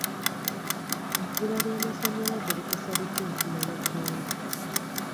Ebbula ly'amasanyalaze likosa litya enfuna y'eggwanga?